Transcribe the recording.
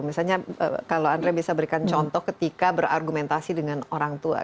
misalnya kalau andre bisa berikan contoh ketika berargumentasi dengan orang tua